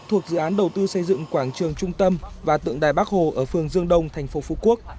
thuộc dự án đầu tư xây dựng quảng trường trung tâm và tượng đài bắc hồ ở phường dương đông thành phố phú quốc